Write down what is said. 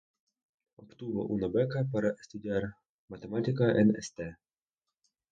Obtuvo una beca para estudiar Matemática en St.